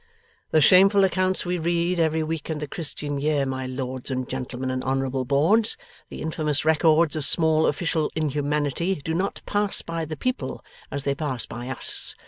The shameful accounts we read, every week in the Christian year, my lords and gentlemen and honourable boards, the infamous records of small official inhumanity, do not pass by the people as they pass by us.